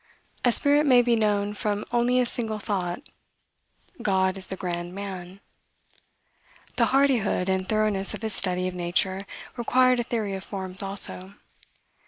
A spirit may be known from only a single thought. God is the grand man." The hardihood and thoroughness of his study of nature required a theory of forms, also.